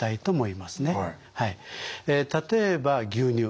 例えば牛乳。